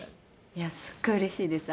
「いやすっごいうれしいです」